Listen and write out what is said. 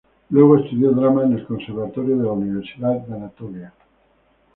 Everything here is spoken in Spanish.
Luego, estudió drama en el conservatorio de la Universidad de Anatolia.